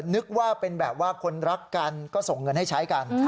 นึกว่าเป็นแบบว่าคนรักกันก็ส่งเงินให้ใช้กัน